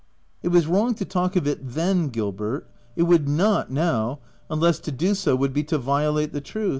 " It was wrong to talk of it then, Gilbert ; it would not now — unless to do so would be to violate the truth."